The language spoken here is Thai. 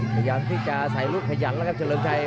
ขยันที่จะอาศัยลูกขยันแล้วครับเจริญชัย